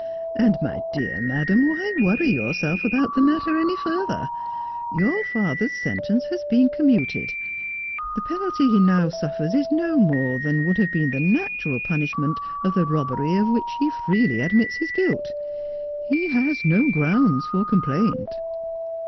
And, my dear madam, why worry yourself about the matter any furtlier ? Your father's sentence has been com muted The penalty he now suffers is no more than would have been the natural punishment of the robbery of which he freely admits his guilt. He has no ground for complaint.'